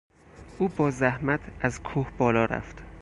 او با زحمت از کوه بالا رفت.